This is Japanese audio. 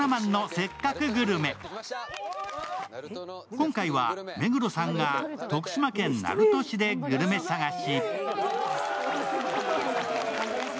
今回は、目黒さんが徳島県鳴門市でグルメ探し。